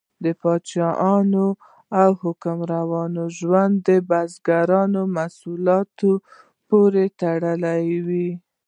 د پاچاهانو او حکمرانانو ژوند د بزګرو محصولاتو پورې تړلی و.